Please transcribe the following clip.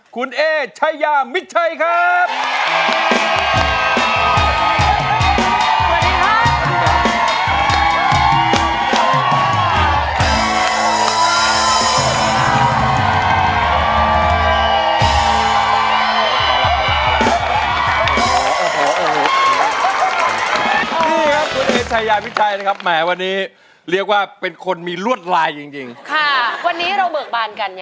คุณเอชายามิดชัยครับ